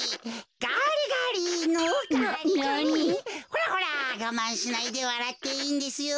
ほらほらがまんしないでわらっていいんですよ。